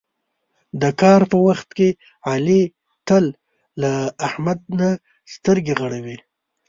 د کار په وخت کې علي تل له احمد نه سترګې غړوي.